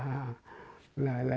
cho nên là